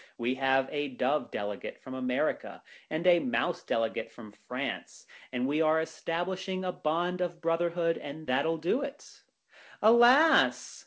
We have a Dove Delegate from America, and a Mouse Delegate from France ; and we are establishing a Bond of brother hood, and that'll do it." "Alas!